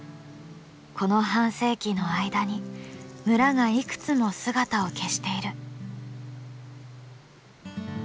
この半世紀の間に村がいくつも姿を消している。